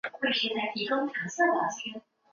朝贡体系的雏形是古代中国的畿服制度。